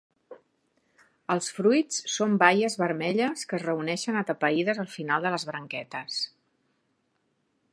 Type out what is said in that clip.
Els fruits són baies vermelles que es reuneixen atapeïdes al final de les branquetes.